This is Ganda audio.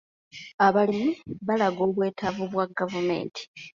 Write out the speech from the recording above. Abalimi baalaga obwetaavu bwa gavumenti.